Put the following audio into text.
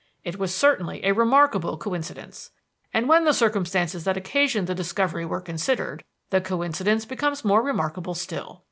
It was certainly a remarkable coincidence. And when the circumstances that occasioned the discovery were considered, the coincidence became more remarkable still.